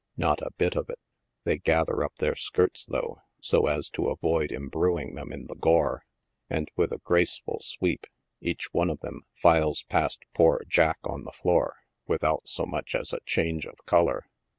Not a bit of it ; they gather up their skirts, though, so as to avoid imbruing them in the gore, and, with a graceful sweep, each one of them flle3 past poor Jack on the floor, without so much as a change of color.